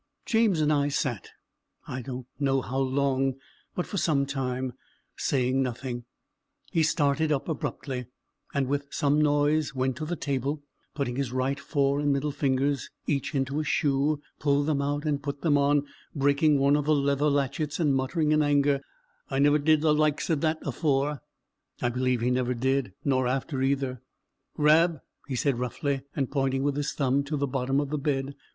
James and I sat, I don't know how long, but for some time saying nothing: he started up abruptly, and with some noise went to the table, and putting his right fore and middle fingers each into a shoe, pulled them out, and put them on, breaking one of the leather latchets, and muttering in anger, "I never did the like o' that afore!" I believe he never did; nor after either. "Rab!" he said roughly, and pointing with his thumb to the bottom of the bed.